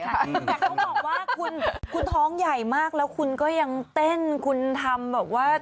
แต่เขาบอกว่าคุณท้องใหญ่มากแล้วคุณก็ยังเต้นคุณทำแบบว่า